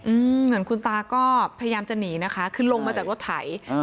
เหมือนคุณตาก็พยายามจะหนีนะคะคือลงมาจากรถไถอ่า